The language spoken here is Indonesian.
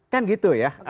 kan begitu ya